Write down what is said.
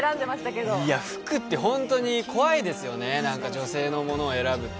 服って本当に怖いですよね、女性のものを選ぶって。